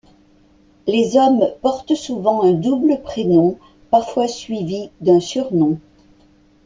Les hommes portent souvent un double-prénom parfois suivi d’un surnom.